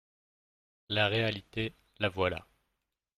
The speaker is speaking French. La réalité, la voilà.